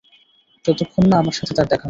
যতক্ষণ না আমার সাথে তার দেখা হল।